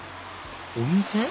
お店？